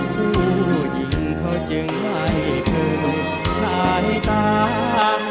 ผู้หญิงเขาจึงให้คืนชายตา